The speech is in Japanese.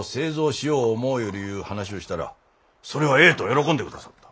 ようるいう話ゅうしたらそれはええと喜んでくださった。